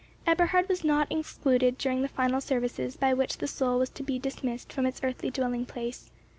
Eberhard was not excluded during the final services by which the soul was to be dismissed from its earthly dwelling place.